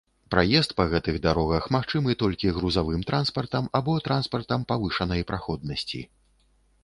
Праезд па гэтых дарогах магчымы толькі грузавым транспартам або транспартам павышанай праходнасці.